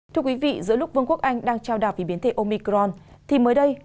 thưa quý vị giữa lúc vương quốc anh đang trao đạp về biến thể omicron thì mới đây